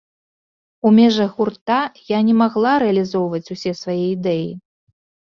У межах гурта я не магла рэалізоўваць усе свае ідэі.